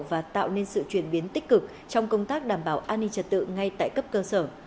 và tạo nên sự chuyển biến tích cực trong công tác đảm bảo an ninh trật tự ngay tại cấp cơ sở